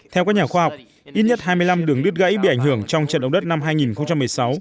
theo các nhà khoa học ít nhất hai mươi năm đường đứt gãy bị ảnh hưởng trong trận động đất năm hai nghìn một mươi sáu